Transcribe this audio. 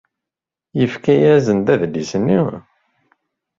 Yefka-asen-d adlis-nni.